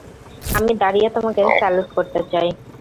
আমি দাঁড়িয়ে তোমাকে স্যালুট করতে চাই!